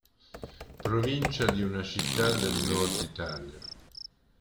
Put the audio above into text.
Provincia di una città del nord Italia.